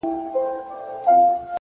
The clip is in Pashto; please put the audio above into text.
و تاته د جنت حوري غلمان مبارک؛